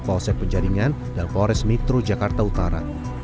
poset penjaringan dan kores metro jakarta utara